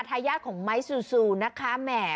ทายาทของไม้ซูซูนะคะแหม